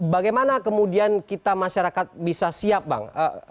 bagaimana kemudian kita masyarakat bisa siap bang